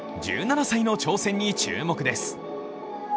１７歳の挑戦に注目です。